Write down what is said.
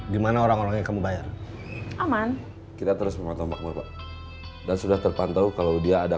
gimana orang orangnya kamu bayar aman kita terus memantau pak dan sudah terpantau kalau dia ada